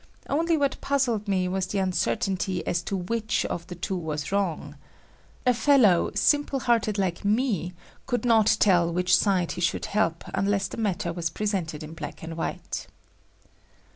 Only what puzzled me was the uncertainty as to which of the two was wrong. A fellow simple hearted like me could not tell which side he should help unless the matter was presented in black and white.